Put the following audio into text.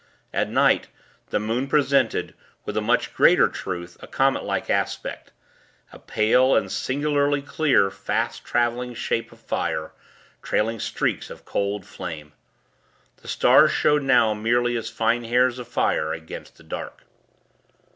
At night, the moon presented, with much greater truth, a comet like aspect; a pale, and singularly clear, fast traveling shape of fire, trailing streaks of cold flame. The stars showed now, merely as fine hairs of fire against the dark.